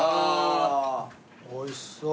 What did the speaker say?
おいしそう。